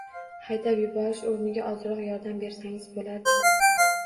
Haydab yuborish o`rniga ozroq yordam bersangiz bo`lardi-ku